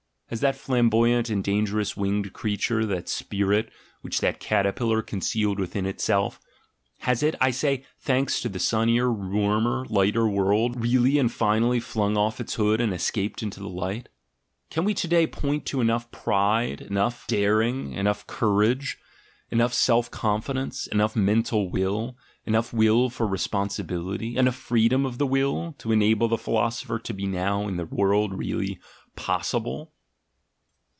Has that flamboyant and dangerous winged creature, that "spirit" which that caterpillar concealed within itself, has it, I say, thanks to a sunnier, warmer, lighter world, really and finally flung off its hood and escaped into the light? Can we to day point to enough pride, enough daring, enough courage, 120 THE GENEALOGY OF MORALS enough self confidence, enough mental will, enough will for responsibility, enough freedom of the will, to enable the philosopher to be now in the world really — possible?